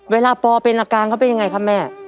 ปอเป็นอาการเขาเป็นยังไงครับแม่